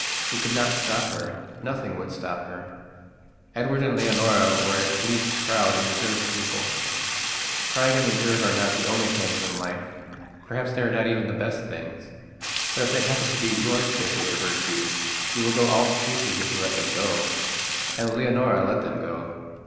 You could not stop her; nothing would stop her. Edward and Leonora were at least proud and reserved people. Pride and reserve are not the only things in life; perhaps they are not even the best things. But if they happen to be your particular virtues you will go all to pieces if you let them go. And Leonora let them go.